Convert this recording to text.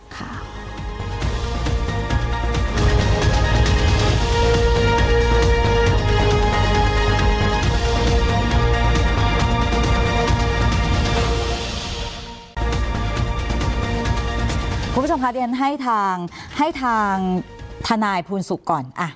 คุณผู้ชมคะเรียนให้ทางให้ทางทนายภูนสุขก่อน